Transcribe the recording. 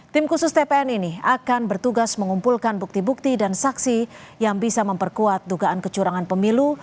tim khusus tpn ini akan bertugas mengumpulkan bukti bukti dan saksi yang bisa memperkuat dugaan kecurangan pemilu